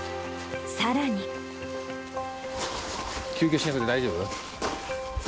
休憩しなくて大丈夫？